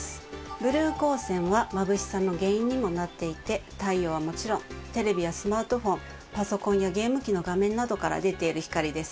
ブルー光線はまぶしさの原因にもなっていて太陽はもちろんテレビやスマートフォンパソコンやゲーム機の画面などから出ている光です。